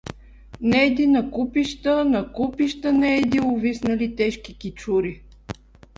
Нейде на купища, на купища, нейде увиснали тежки кичури.